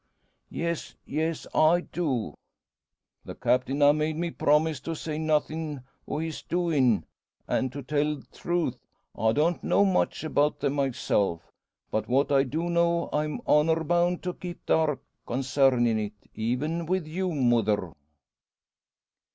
"Yes, yes; I do." "The Captain ha' made me promise to say nothin' o' his doin's; an', to tell truth, I don't know much about them myself. But what I do know, I'm honour bound to keep dark consarnin' it even wi' you, mother."